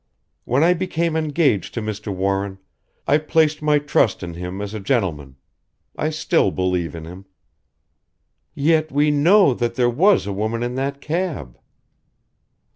When I became engaged to Mr. Warren I placed my trust in him as a gentleman. I still believe in him." "Yet we know that there was a woman in that cab!"